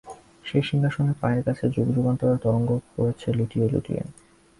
সেই সিংহাসনের পায়ের কাছে যুগযুগান্তরের তরঙ্গ পড়ছে লুটিয়ে লুটিয়ে।